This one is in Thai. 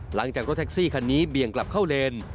รถแท็กซี่คันนี้เบี่ยงกลับเข้าเลน